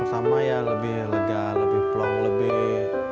sama ya lebih lega lebih plong lebih